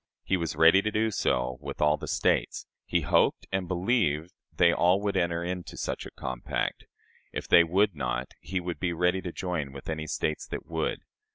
He was ready to do so with all the States. He hoped and believed they all would enter into such a compact. If they would not, he would be ready to join with any States that would.